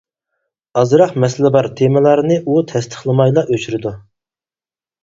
ئازراق «مەسىلە بار» تېمىلارنى ئۇ تەستىقلىمايلا ئۆچۈرىدۇ.